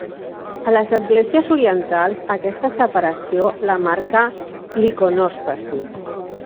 A les esglésies orientals aquesta separació la marca l'iconòstasi.